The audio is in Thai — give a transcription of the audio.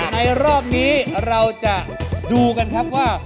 ในรอบนี้เราจะดูกันครับว่า